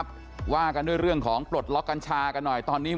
แต่ว่าถ้ามุมมองในทางการรักษาก็ดีค่ะ